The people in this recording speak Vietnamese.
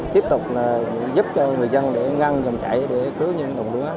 tiếp tục giúp cho người dân để ngăn dòng chảy để cứu những đồng lúa